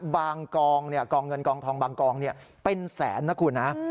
กองกองเงินกองทองบางกองเป็นแสนนะคุณนะ